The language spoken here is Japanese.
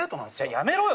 やめろよ